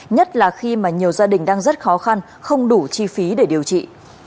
nhất là khi mà nhiều gia đình đang rất khó khăn không đủ chi phí để điều trị